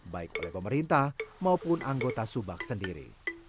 baik oleh pemerintah maupun anggota subak sendiri